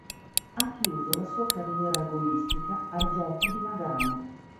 Ha chiuso la sua carriera agonistica ai Giochi di Nagano.